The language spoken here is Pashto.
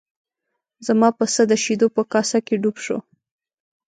زما پسه د شیدو په کاسه کې ډوب شو.